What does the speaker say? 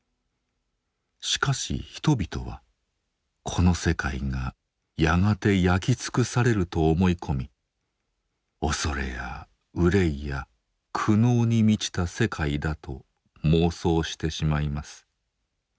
しかし人々はこの世界がやがて焼き尽くされると思い込み恐れや憂いや苦悩に満ちた世界だと妄想してしまいます。